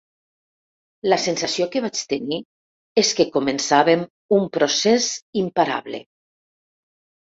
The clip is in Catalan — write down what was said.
La sensació que vaig tenir és que començàvem un procés imparable.